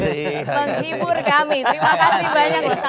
terima kasih banyak